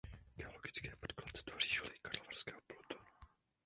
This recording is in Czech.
Geologické podklad tvoří žuly karlovarského plutonu.